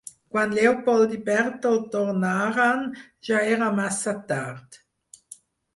Quan Leopold i Bertold tornaren, ja era massa tard.